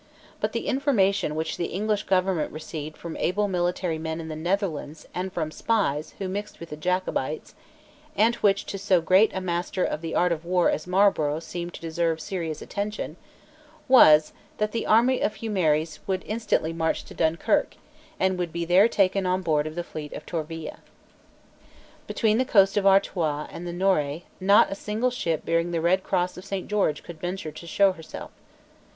But the information which the English government received from able military men in the Netherlands and from spies who mixed with the Jacobites, and which to so great a master of the art of war as Marlborough seemed to deserve serious attention, was, that the army of Humieres would instantly march to Dunkirk and would there be taken on board of the fleet of Tourville, Between the coast of Artois and the Nore not a single ship bearing the red cross of Saint George could venture to show herself.